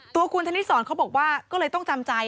ตัวคุณธนิสรเขาบอกว่าก็เลยต้องจำใจ